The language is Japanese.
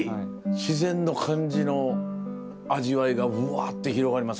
自然の感じの味わいがうわって広がります